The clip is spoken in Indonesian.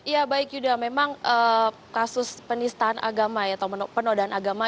ya baik yuda memang kasus penistaan agama atau penodaan agama